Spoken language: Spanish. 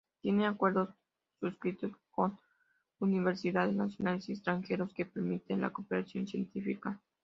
Tiene acuerdos suscritos con universidades nacionales y extranjeras que permiten la cooperación científica.